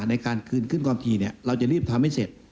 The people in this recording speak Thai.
ในการคืนขึ้นความทีเราจะรีบทำให้เสร็จ